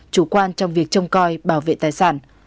chủ quan trong việc trông coi bảo vệ tài sản